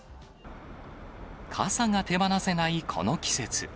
傘が手放せないこの季節。